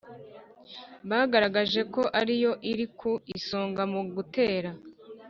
bagaragaje ko ariyo iri ku isonga mu gutera